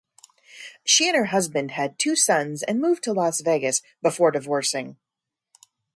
She and her husband had two sons and moved to Las Vegas before divorcing.